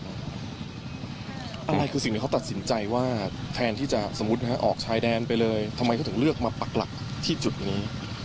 อะไรคือสิ่งที่เขาตัดสินใจว่าแทนที่จะสมมุติออกชายแดนไปเลยทำไมเขาถึงเลือกมาปักหลักที่จุดนี้